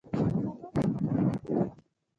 د کابل په چهار اسیاب کې د سمنټو مواد شته.